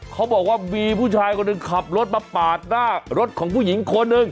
เขาบอกว่ามีผู้ชายคนหนึ่งขับรถมาปาดหน้ารถของผู้หญิงคนหนึ่ง